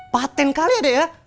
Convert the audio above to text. paten kali adek ya